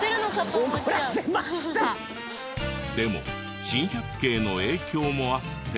でも『珍百景』の影響もあって。